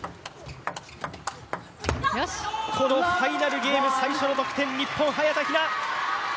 このファイナルゲーム最初の得点、早田ひな。